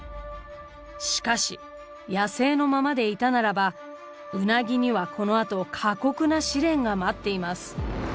しかし野生のままでいたならばウナギにはこのあと過酷な試練が待っています。